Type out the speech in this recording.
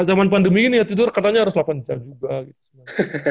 zaman pandemi ini ya tidur katanya harus delapan jam juga gitu sebenarnya